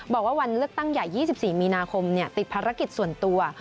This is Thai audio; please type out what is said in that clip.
บอกว่าวันเลือกตั้งใหญ่๒๔มีนาคมติดภารกิจส่วนตัว